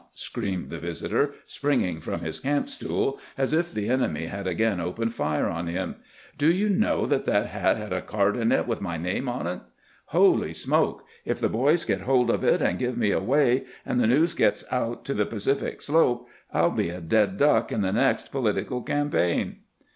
" screamed tbe visitor, springing from bis camp stool as if tbe enemy bad again opened fire on bim ;" do you know tbat tbat bat bad a card in it witb my name on ? Holy smoke ! AN IMPORTANT MISSION 187 If the boys get hold of it, and give me away, and the news gets out to the Pacific slope, I '11 Jbe a dead duck in the next political campaign